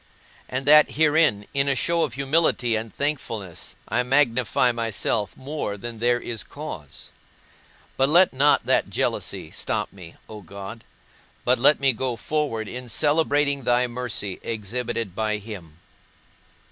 and that herein, in a show of humility and thankfulness, I magnify myself more than there is cause? But let not that jealousy stop me, O God, but let me go forward in celebrating thy mercy exhibited by him.